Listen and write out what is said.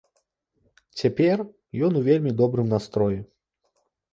Цяпер ён у вельмі добрым настроі.